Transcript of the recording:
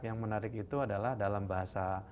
yang menarik itu adalah dalam bahasa